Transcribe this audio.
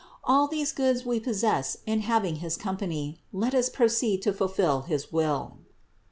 All these goods we possess in having his company; let us proceed to fulfill his will."